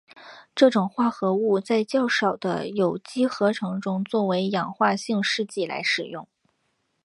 这种化合物在较少的有机合成中作为氧化性试剂来使用。